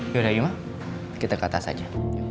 yaudah yuk ma kita ke atas aja